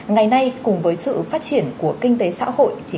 ngày nay cùng với sự phát triển của kinh tế xã hội